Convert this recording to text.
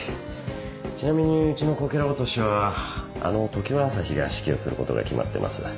ちなみにうちのこけら落としはあの常葉朝陽が指揮をすることが決まってます。